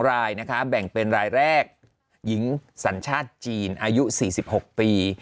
รายนะคะแบ่งเป็นรายแรกหญิงสัญชาติจีนอายุ๔๖ปี